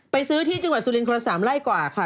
ไปซื้อที่จังหวัดสูรินค์คนละ๓กว่าค่ะ